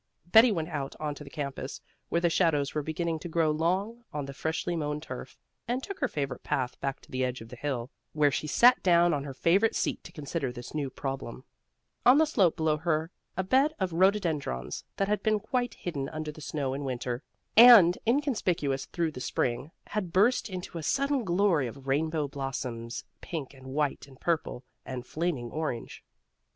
Betty went out on to the campus, where the shadows were beginning to grow long on the freshly mown turf, and took her favorite path back to the edge of the hill, where she sat down on her favorite seat to consider this new problem. On the slope below her a bed of rhododendrons that had been quite hidden under the snow in winter, and inconspicuous through the spring, had burst into a sudden glory of rainbow blossoms pink and white and purple and flaming orange.